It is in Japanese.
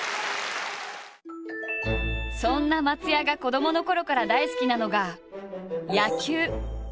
そんな松也が子どものころから大好きなのが野球。